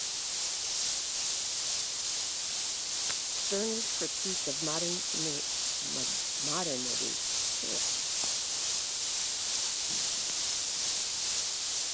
Stirner's critique of modernity is centred on the Protestant Reformation.